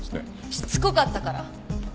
しつこかったから。